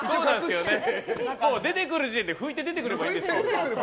出てくる時点で拭いて出てくればいいのに。